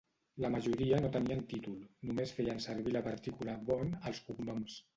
La majoria no tenien títol, només feien servir la partícula "von" als cognoms.